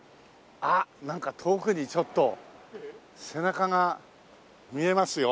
あっなんか遠くにちょっと背中が見えますよ。